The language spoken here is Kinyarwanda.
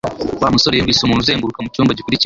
Wa musore yumvise umuntu uzenguruka mucyumba gikurikira